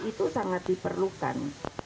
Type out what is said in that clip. itu sangat diperlukan